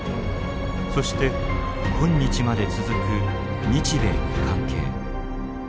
そして今日まで続く日米の関係。